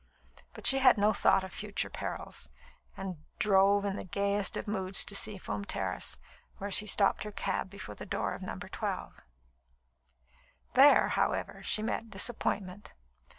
But she had no thought of future perils, and drove in the gayest of moods to Seafoam Terrace, where she stopped her cab before the door of No. 12. There, however, she met disappointment.